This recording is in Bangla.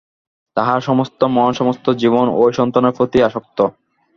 তাঁহার সমস্ত মন, সমস্ত জীবন ঐ সন্তানের প্রতি আসক্ত।